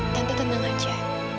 tante tenang aja